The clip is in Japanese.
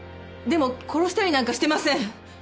でも殺したりなんかしてません。